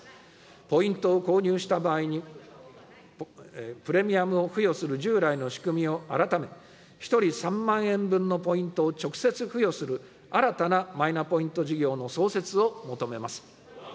ポイントを購入した場合に、プレミアムを付与する従来の仕組みを改め、１人３万円分のポイントを直接付与する、新たなマイナポイント事業の創設を求めます。